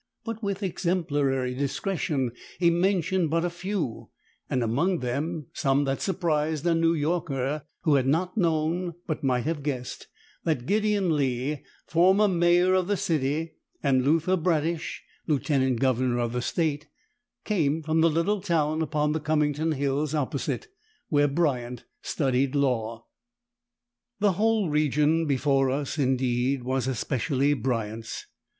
But with exemplary discretion he mentioned but a few, and among them some that surprised a New Yorker, who had not known, but might have guessed, that Gideon Lee, former Mayor of the city, and Luther Bradish, Lieutenant Governor of the State, came from the little town upon the Cummington hills opposite, where Bryant studied law. The whole region before us, indeed, was especially Bryant's.